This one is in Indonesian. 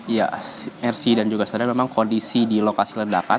ya ersi dan juga saudara memang kondisi di lokasi ledakan